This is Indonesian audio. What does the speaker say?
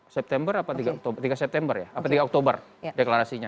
september atau tiga oktober